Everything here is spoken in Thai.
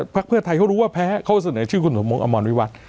พักเพื่อไทยเขารู้ว่าแพ้เขาเสนอชื่อคุณสมมงอมรวิวัตร